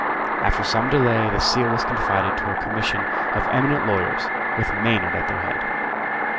After some delay the Seal was confided to a commission of eminent lawyers, with Maynard at their head.